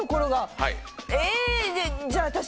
じゃあ私。